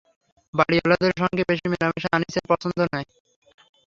বাড়িঅলাদের সঙ্গে বেশি মেলামেশা আনিসের পছন্দ নয়।